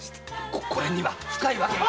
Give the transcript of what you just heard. これには深いわけが。